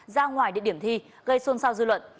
ra ngoài địa điểm thi gây xôn xao dư luận